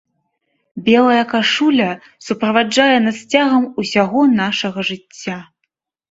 Белая кашуля суправаджае нас цягам усяго нашага жыцця.